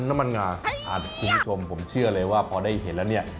น้ำมันงานภูรมชมผมเชื่อเลยพอได้เห็นและ